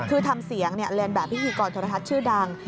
คือทำเสียงเรียนแบบพิธีกรโทรทัศน์ชื่อดัง